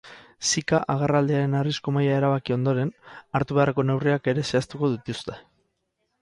Zika agerraldiaren arrisku maila erabaki ondoren, hartu beharreko neurriak ere zehaztuko dituzte.